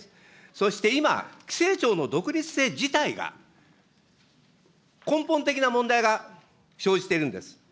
そして今、規制庁の独立性自体が、根本的な問題が生じているんです。